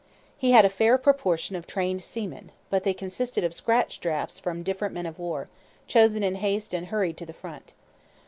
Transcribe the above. He had a fair proportion of trained seamen; but they consisted of scratch drafts from different men of war, chosen in haste and hurried to the front.